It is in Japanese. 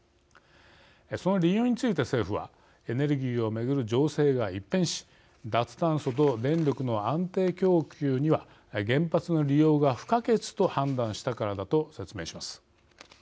その理由について政府はエネルギーを巡る情勢が一変し脱炭素と電力の安定供給には原発の利用が不可欠と判断したからだと説明します。